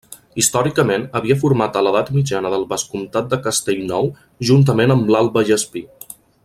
Històricament havia format a l'edat mitjana del vescomtat de Castellnou juntament amb l'alt Vallespir.